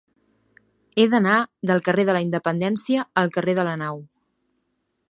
He d'anar del carrer de la Independència al carrer de la Nau.